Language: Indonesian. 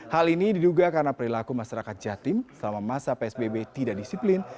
hal ini diduga karena perilaku masyarakat jatim selama masa psbb tidak disiplin